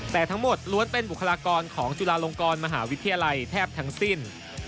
แต่ทั้งหมดล้วนเป็นบุคลากรของจุฬาลงกรมหาวิทยาลัยแทบทั้งสิ้น